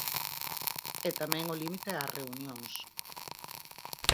E tamén o límite ás reunións.